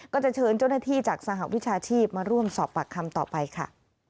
ก็จะเชิญเจ้าหน้าที่จากสหวิชาชีพมาร่วมสอบปากคำต่อไปค่ะ